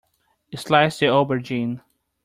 Slice the aubergine.